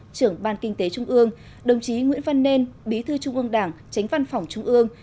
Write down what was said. trưởng ban kinh tế trung ương đồng chí nguyễn văn nên bí thư trung ương đảng tránh văn phòng trung ương